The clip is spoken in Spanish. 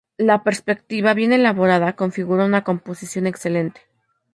La perspectiva, bien elaborada, configura una composición excelente.